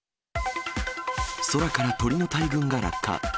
空から鳥の大群が落下。